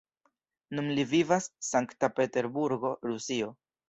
Nun li vivas St-Peterburgo, Rusio.